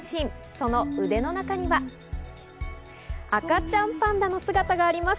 その腕の中には赤ちゃんパンダの姿があります。